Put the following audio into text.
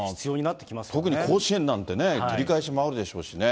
特に甲子園なんてね、照り返しもあるでしょうしね。